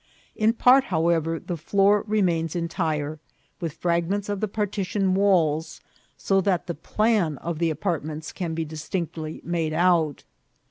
In part, however, the floor remains entire, with fragments of the partition walls, so that the plan of the apartments can be distinctly made out.